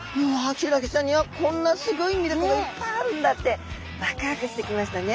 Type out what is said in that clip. ヒイラギちゃんにはこんなすごい魅力がいっぱいあるんだってワクワクしてきましたね。